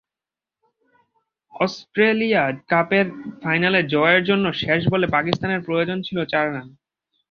Australasia কাপের ফাইনালে জয়ের জন্য শেষ বলে পাকিস্তানের প্রয়োজন ছিল চার রান।